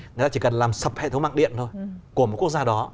người ta chỉ cần làm sập hệ thống mạng điện thôi của một quốc gia đó